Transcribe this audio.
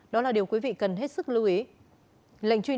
đó là điều quý vị cần hết sức lưu ý